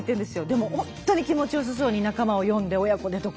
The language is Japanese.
でも本当に気持ちよさそうに仲間を呼んで親子でとか。